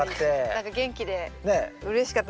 何か元気でうれしかった。